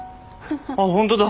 あっホントだ。